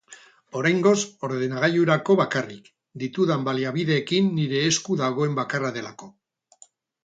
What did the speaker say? Oraingoz ordenagailurako bakarrik, ditudan baliabideekin nire esku dagoen bakarra delako.